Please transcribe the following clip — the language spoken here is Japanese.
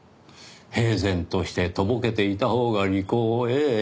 平然としてとぼけていたほうが利口ええ